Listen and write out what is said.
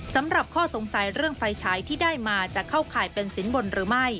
สำหรับข้อสงสัยเรื่องไฟฉายที่ได้มาจะเข้าข่ายเป็นสินบนหรือไม่